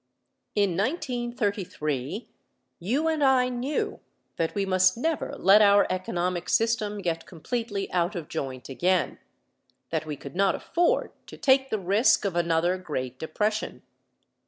In 1933 you and I knew that we must never let our economic system get completely out of joint again that we could not afford to take the risk of another great depression.